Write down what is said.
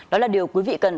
đó là điều quý vị cần